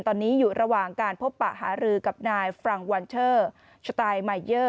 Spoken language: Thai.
ตอนนี้อยู่ระหว่างการพบปะหารือกับนายฟรังวันเชอร์สไตล์มายเยอร์